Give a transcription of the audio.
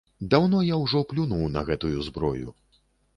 Даўно я ўжо плюнуў на гэтую зброю.